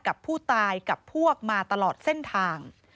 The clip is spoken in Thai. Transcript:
กับผู้ตายกับพวกมาตลอดเส้นทาง